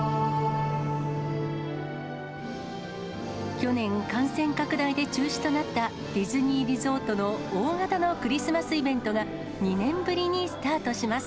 去年、感染拡大で中止となったディズニーリゾートの大型のクリスマスイベントが、２年ぶりにスタートします。